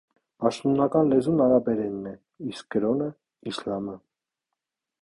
Պաշտոնական լեզուն արաբերենն է, իսկ կրոնը՝ իսլամը։